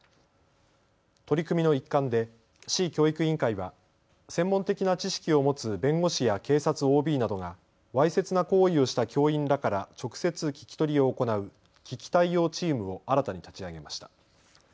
取り組みの一環で市教育委員会は専門的な知識を持つ弁護士や警察ＯＢなどが、わいせつな行為をした教員らから直接、聞き取りを行う危機対応チームを新たに立ち上げました。